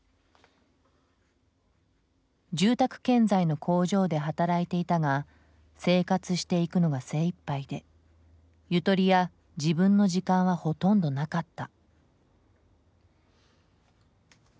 住宅建材の工場で働いていたが生活していくのが精いっぱいでゆとりや自分の時間はほとんどなかった。